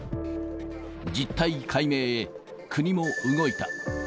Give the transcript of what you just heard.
実態解明へ、国も動いた。